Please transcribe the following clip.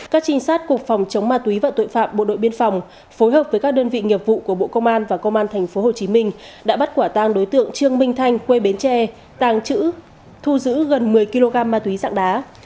các trinh sát cục phòng chống ma túy và tội phạm bộ đội biên phòng phối hợp với các đơn vị nghiệp vụ của bộ công an và công an tp hcm đã bắt quả tàng đối tượng trương minh thanh quê bến tre tàng trữ thu giữ gần một mươi kg ma túy dạng đá